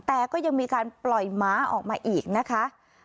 แต่ก็ยังมีการปล่อยหมาออกมาอีกนะคะ